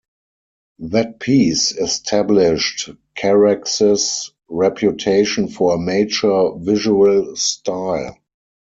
That piece established Carax's reputation for a mature visual style.